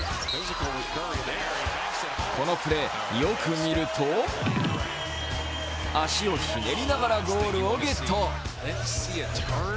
このプレー、よく見ると足をひねりながらゴールをゲット。